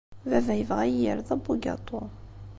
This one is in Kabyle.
Baba yebɣa ad iyi-yerr d abugaṭu.